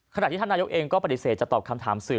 ขณะที่ท่านนายกเองก็ปฏิเสธจะตอบคำถามสื่อ